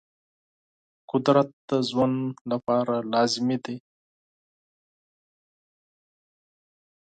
قدرت د ژوند لپاره لازمي دی.